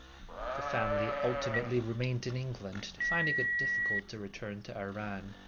The family ultimately remained in England, finding it difficult to return to Iran.